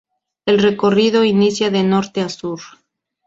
El recorrido inicia de norte a sur.